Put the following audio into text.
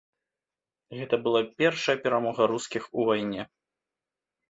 Гэта была першая перамога рускіх у вайне.